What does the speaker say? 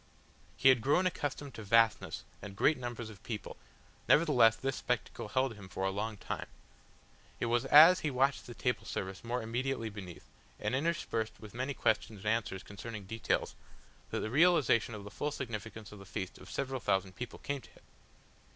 He had grown accustomed to vastness and great numbers of people, nevertheless this spectacle held him for a long time. It was as he watched the table service more immediately beneath, and interspersed with many questions and answers concerning details, that the realisation of the full significance of the feast of several thousand people came to him.